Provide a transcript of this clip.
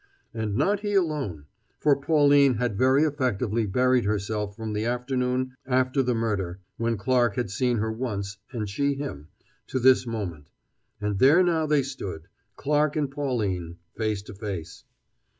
And not he alone, for Pauline had very effectively buried herself from the afternoon after the murder, when Clarke had seen her once, and she him, to this moment. And there now they stood, Clarke and Pauline, face to face.